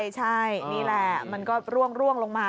ใช่นี่แหละมันก็ร่วงลงมา